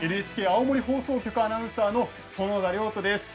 ＮＨＫ青森放送局のアナウンサー園田遼斗です。